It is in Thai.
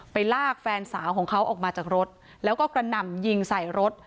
ลากแฟนสาวของเขาออกมาจากรถแล้วก็กระหน่ำยิงใส่รถ